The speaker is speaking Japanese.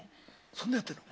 そんなんやってるの？